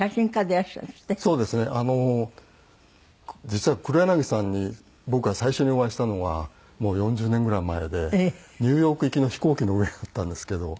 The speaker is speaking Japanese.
実は黒柳さんに僕が最初にお会いしたのはもう４０年ぐらい前でニューヨーク行きの飛行機の上だったんですけど。